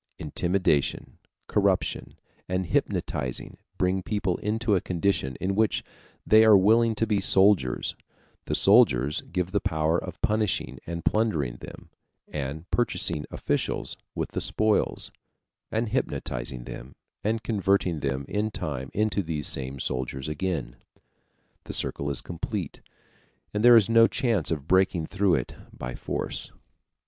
Intimidation, corruption, and hypnotizing bring people into a condition in which they are willing to be soldiers; the soldiers give the power of punishing and plundering them (and purchasing officials with the spoils), and hypnotizing them and converting them in time into these same soldiers again. The circle is complete, and there is no chance of breaking through it by force.